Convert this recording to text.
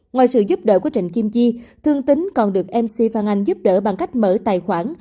ngoài sự giúp đỡ của trịnh kim chi thương tính còn được mc phan anh giúp đỡ bằng cách mở tài khoản